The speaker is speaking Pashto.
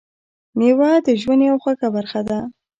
میوه د ژوند یوه خوږه برخه ده.